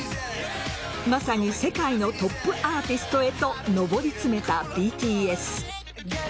まさに世界のトップアーティストへと上り詰めたＢＴＳ。